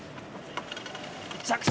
着地。